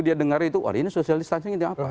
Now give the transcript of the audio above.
dia dengar itu wah ini social distancing itu apa